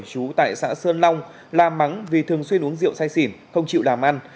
chú tại xã sơn long la mắng vì thường xuyên uống rượu say xỉn không chịu làm ăn